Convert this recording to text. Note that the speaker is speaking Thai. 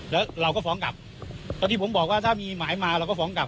แล้วเราก็ฟ้องกลับตอนที่ผมบอกว่าถ้ามีหมายมาเราก็ฟ้องกลับ